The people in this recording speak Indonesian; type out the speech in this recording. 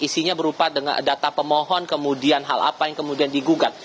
isinya berupa data pemohon kemudian hal apa yang kemudian digugat